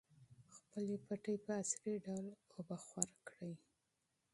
خپلې پټۍ په عصري ډول اوبخور کړئ.